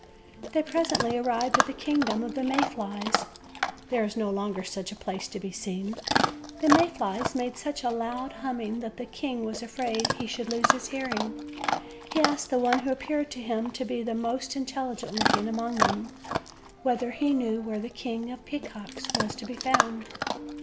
They presently arrived at the kingdom of the May flies (there is no longer such a place to be seen): the May flies made such a loud humming that the king was afraid he should lose his hearing. He asked the one who appeared to him to be the most intelligent looking among them whether he knew where the King of the Peacocks was to be found.